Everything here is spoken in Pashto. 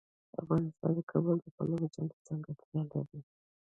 افغانستان د کابل د پلوه ځانته ځانګړتیا لري.